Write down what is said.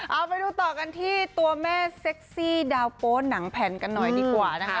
เอาไปดูต่อกันที่ตัวแม่เซ็กซี่ดาวโป๊หนังแผ่นกันหน่อยดีกว่านะคะ